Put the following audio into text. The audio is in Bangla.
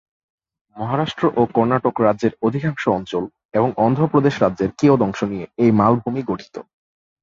মহারাষ্ট্র ও কর্ণাটক রাজ্যের অধিকাংশ অঞ্চল এবং অন্ধ্রপ্রদেশ রাজ্যের কিয়দংশ নিয়ে এই মালভূমি গঠিত।